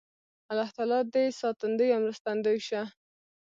الله تعالی دې ساتندوی او مرستندوی شه